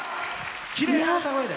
きれいな歌声で。